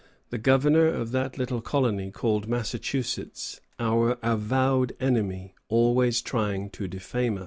The Governor of that little colony called Massachusetts "our avowed enemy, always trying to defame us."